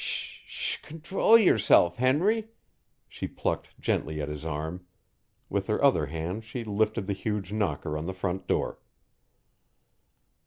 "Sh sh! Control yourself, Henry!" She plucked gently at his arm; with her other hand she lifted the huge knocker on the front door.